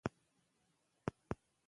دښځو حقونه داسلام چوکاټ کې ادا کړى.